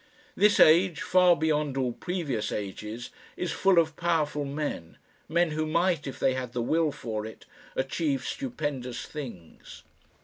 This age, far beyond all previous ages, is full of powerful men, men who might, if they had the will for it, achieve stupendous things.